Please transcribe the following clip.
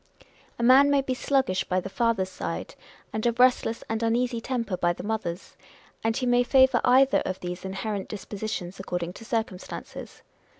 A man anay be sluggish by the father's side, and of a restless and uneasy temper by the mother's ; and he may favour either of these inherent dispositions according to circumstances.